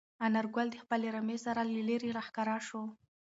انارګل د خپلې رمې سره له لیرې راښکاره شو.